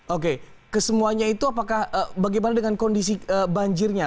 oke kesemuanya itu apakah bagaimana dengan kondisi banjirnya